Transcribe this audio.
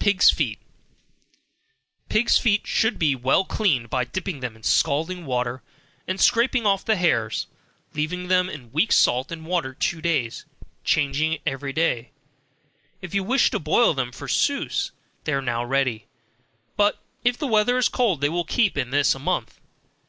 Pigs' Feet. Pigs' feet should be well cleaned by dipping them in scalding water, and scraping off the hairs, leave them in weak salt and water two days, changing it each day; if you wish to boil them for souse, they are now ready, but if the weather is cold they will keep in this a month.